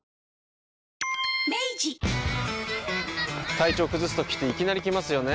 体調崩すときっていきなり来ますよね。